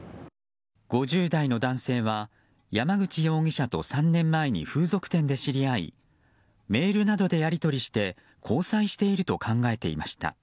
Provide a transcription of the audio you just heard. ５０代の男性は山口容疑者と３年前に風俗店で知り合いメールなどでやり取りして交際していると考えていました。